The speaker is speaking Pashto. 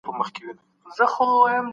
استازي کله د بشري حقونو تړونونه مني؟